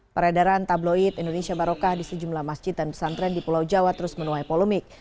peredaran tabloid indonesia barokah di sejumlah masjid dan pesantren di pulau jawa terus menuai polemik